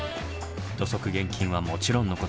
土足厳禁はもちろんのこと